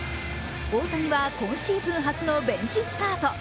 大谷は今シーズン初のベンチスタート。